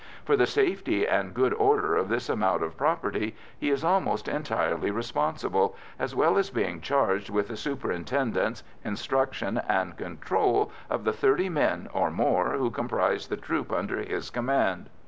For the safety and good order of this amount of property he is almost entirely responsible, as well as being charged with the superintendence, instruction, and control of the thirty men or more who comprise the troop under his command.